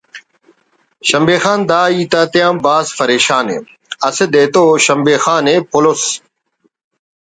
شمبے خان دا ہیت آتیا بھاز فریشان ءِ اسہ دے تو شمبے خان ءِ پلوس